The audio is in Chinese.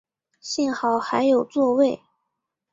幸好还有座位